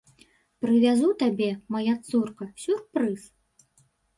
Прывязу табе, мая цурка, сюрпрыз.